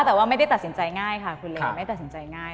แต่ว่าไม่ได้ตัดสินใจง่ายค่ะคุณเลยไม่ตัดสินใจง่าย